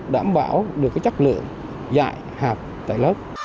đảm bảo được chất lượng dạy học tại lớp